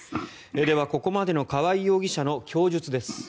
ではここまでの川合容疑者の供述です。